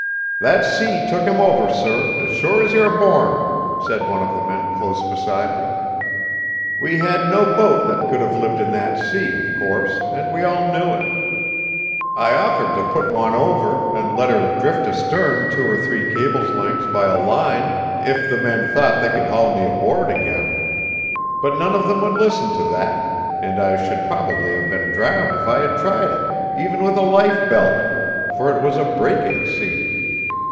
"That sea took him over, sir, as sure as you're born," said one of the men close beside me. We had no boat that could have lived in that sea, of course, and we all knew it. I offered to put one over, and let her drift astern two or three cable's lengths by a line, if the men thought they could haul me aboard again; but none of them would listen to that, and I should probably have been drowned if I had tried it, even with a life belt; for it was a breaking sea.